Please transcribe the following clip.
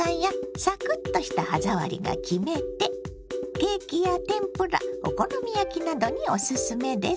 ケーキや天ぷらお好み焼きなどにおすすめです。